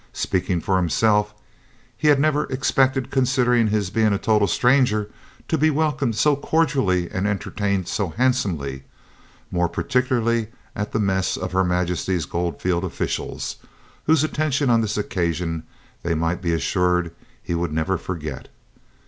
Speaking for himself, he had never expected, considering his being a total stranger, to be welcomed so cordially and entertained so handsomely, more particularly at the mess of her Majesty's goldfields officials, whose attention on this occasion they might be assured he would never forget.